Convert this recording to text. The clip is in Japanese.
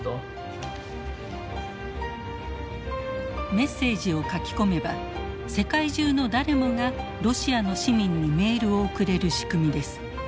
メッセージを書き込めば世界中の誰もがロシアの市民にメールを送れる仕組みです。